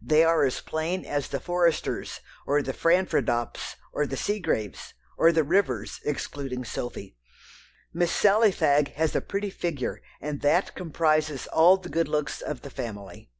They are as plain as the Foresters, or the Franfraddops, or the Seagraves, or the Rivers, excluding Sophy. Miss Sally Fagg has a pretty figure, and that comprises all the good looks of the family."